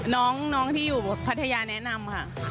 น้องที่อยู่พัทยาแนะนำค่ะ